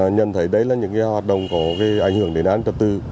nhận thấy đây là những hoạt động có ảnh hưởng đến án trật tự